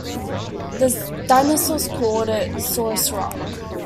The dinosaurs called it "Saurus Rock".